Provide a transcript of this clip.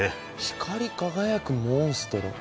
光り輝くモンストロ。